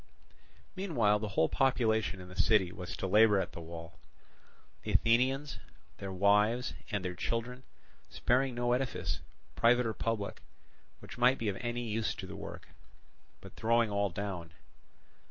Meanwhile the whole population in the city was to labour at the wall, the Athenians, their wives, and their children, sparing no edifice, private or public, which might be of any use to the work, but throwing all down.